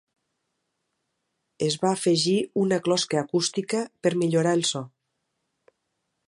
Es va afegir una closca acústica per millorar el so.